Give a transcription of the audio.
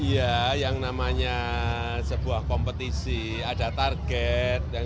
iya yang namanya sebuah kompetisi ada target